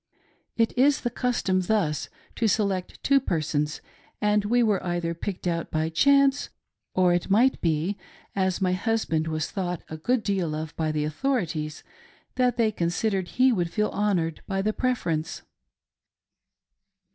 It is the custom thus to select two persons, and we were either picked out by chance, or !t might be, as my husband was thought a good deal of by the kuthorities, that they considered he would feel honored by the preference.